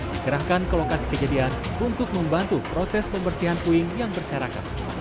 dikerahkan ke lokasi kejadian untuk membantu proses pembersihan puing yang berserakan